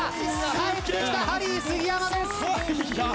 帰ってきたハリー杉山です。